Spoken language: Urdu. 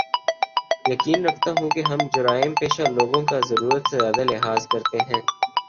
یقین رکھتا ہوں کے ہم جرائم پیشہ لوگوں کا ضرورت سے زیادہ لحاظ کرتے ہیں